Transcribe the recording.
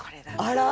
あら！